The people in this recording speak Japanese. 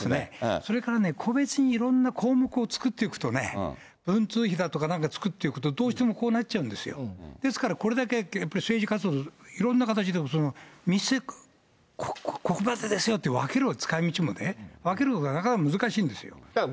それからね、個別にいろんな項目を作っていくとね、文通費だとか、なんとか、作っていくとどうしてもこうなっちゃうんですよ、ですからこれだけやっぱり政治活動、いろんな形で、ここまでですよって、分ければ、使いみちをね、分けるのがなかなか難しいんですよ。